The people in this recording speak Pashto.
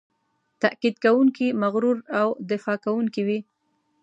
تاکید کوونکی، مغرور او دفاع کوونکی وي.